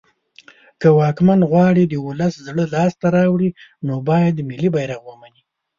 که واکمن غواړی د ولس زړه لاس ته راوړی نو باید ملی بیرغ ومنی